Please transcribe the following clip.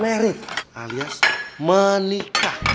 mereka harus menikah